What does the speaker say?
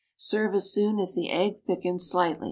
Serve as soon as the egg thickens slightly.